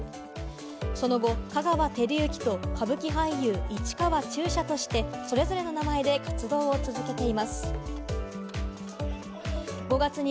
その後、香川照之と歌舞伎俳優・市川中車としてそれぞれの名前で活動を続けています。